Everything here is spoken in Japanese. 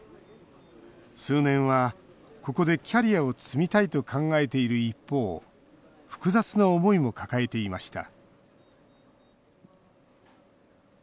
数年は、ここでキャリアを積みたいと考えている一方複雑な思いも抱えていました。